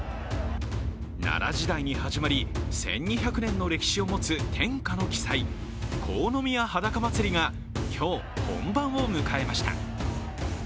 奈良時代に始まり、１２００年に歴史を持つ天下の奇祭、国府宮はだか祭が今日、本番を迎えました。